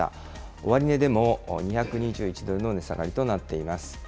終値でも２２１ドルの値下がりとなっています。